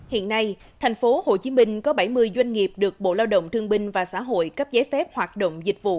hiện nay tp hcm có bảy mươi doanh nghiệp được bộ lao động thương binh và xã hội cấp giấy phép hoạt động dịch vụ